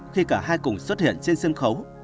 khi cả hai cùng xuất hiện trên sân khấu